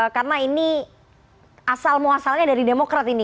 karena ini asal muasalnya dari demokrat ini